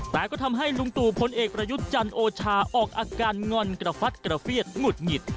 แต่ก็ทำให้ลุงตู่พลเอกประยุทธ์จันทร์โอชาออกอาการงอนกระฟัดกระเฟียดหงุดหงิด